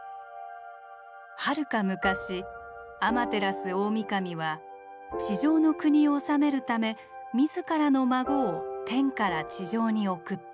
「はるか昔アマテラスオオミカミは地上の国を治めるため自らの孫を天から地上に送った。